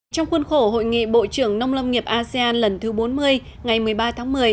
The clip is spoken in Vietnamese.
trong khuôn khổ hội nghị bộ trưởng nông lâm nghiệp asean lần thứ bốn mươi ngày một mươi ba tháng một mươi